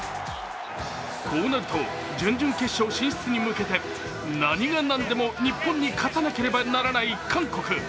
こうなると準々決勝進出に向けて何が何でも日本に勝たなければならない韓国。